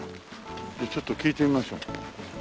じゃあちょっと聞いてみましょう。